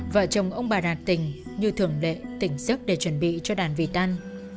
vợ chồng ông bà đạt tỉnh như thường lệ tỉnh giấc để chuẩn bị cho đàn vị tăn